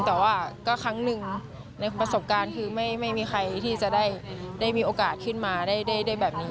แต่ว่าก็ครั้งหนึ่งในประสบการณ์คือไม่มีใครที่จะได้มีโอกาสขึ้นมาได้แบบนี้